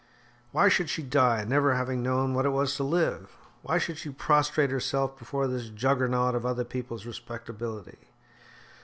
Why should she die, never having known what it was to live? Why should she prostrate herself before this juggernaut of other people's respectability?